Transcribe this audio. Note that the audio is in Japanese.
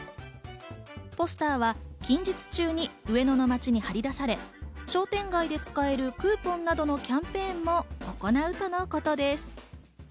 ポスターは近日中に上野の街に貼り出され、商店街で使えるクーポンなどのキャンペーンも行うとのことです。